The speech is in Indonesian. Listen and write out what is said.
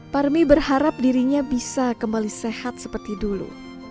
parmi berharap dirinya bisa kembali sehat seperti dulu